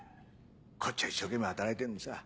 こっちは一生懸命働いてるのにさ。